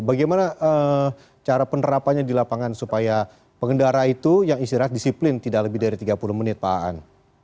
bagaimana cara penerapannya di lapangan supaya pengendara itu yang istirahat disiplin tidak lebih dari tiga puluh menit pak an